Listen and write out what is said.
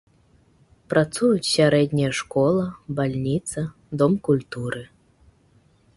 Працуюць сярэдняя школа, бальніца, дом культуры.